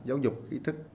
giáo dục ý thức